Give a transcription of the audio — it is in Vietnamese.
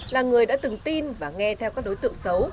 là người đã từng tin và nghe theo các đối tượng xấu